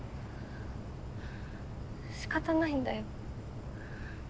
しかたないんだよ。